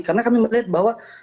karena kami melihat bahwa